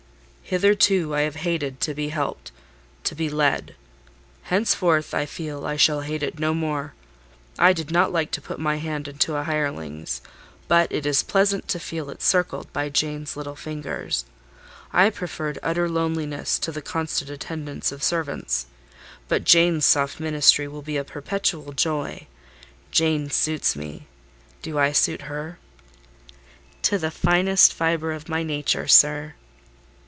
"Hitherto I have hated to be helped—to be led: henceforth, I feel I shall hate it no more. I did not like to put my hand into a hireling's, but it is pleasant to feel it circled by Jane's little fingers. I preferred utter loneliness to the constant attendance of servants; but Jane's soft ministry will be a perpetual joy. Jane suits me: do I suit her?" "To the finest fibre of my nature, sir."